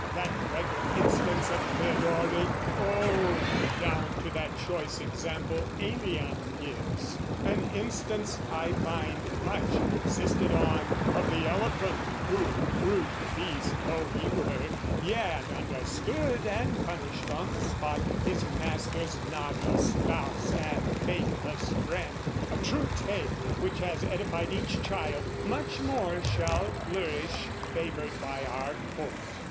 That pregnant instance of Theodoric, oh! Down to that choice example Aelian gives (An instance I find much insisted on) Of the elephant who, brute beast though he were, Yet understood and punished on the spot His master's naughty spouse and faithless friend; A true tale which has edified each child, Much more shall flourish favoured by our court!